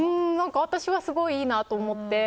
私はすごいいいなと思って。